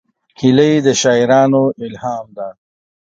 هیلۍ د شاعرانو الهام ده